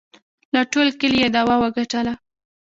له ټول کلي یې دعوه وگټله